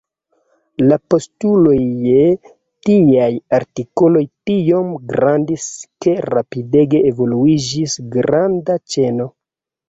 La postuloj je tiaj artikoloj tiom grandis ke rapidege evoluiĝis granda ĉeno.